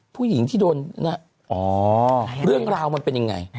ผู้หญิงที่โดนเรื่องราวมันเป็นยังไง